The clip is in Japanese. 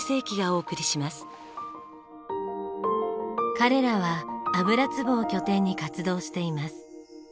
彼らは油壺を拠点に活動しています。